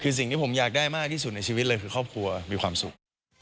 คือสิ่งที่ผมอยากได้มากที่สุดในชีวิตเลยคือครอบครัวมีความสุข